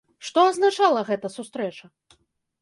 Што азначала гэта сустрэча?